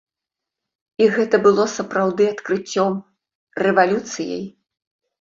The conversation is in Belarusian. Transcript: І гэта было сапраўды адкрыццём, рэвалюцыяй.